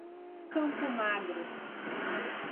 Campo Magro